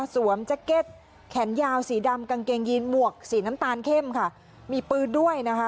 แจ็คเก็ตแขนยาวสีดำกางเกงยีนหมวกสีน้ำตาลเข้มค่ะมีปืนด้วยนะคะ